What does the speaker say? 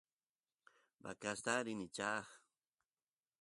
vacasta rini chay